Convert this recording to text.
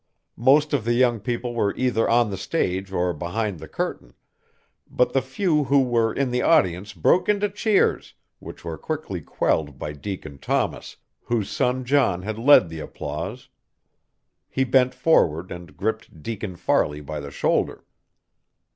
Most of the young people were either on the stage or behind the curtain; but the few who were in the audience broke into cheers, which were quickly quelled by Deacon Thomas, whose son John had led the applause. He bent forward and gripped Deacon Farley by the shoulder.